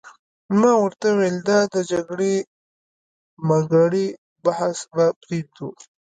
ما ورته وویل: دا د جګړې مګړې بحث به پرېږدو.